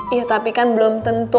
iya tapi kan belum tentu